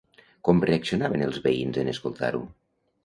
Com reaccionaven els veïns en escoltar-ho?